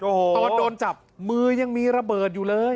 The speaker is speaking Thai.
โอ้โหตอนโดนจับมือยังมีระเบิดอยู่เลย